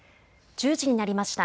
１０時になりました。